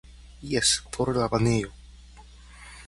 Jes, por la banejo.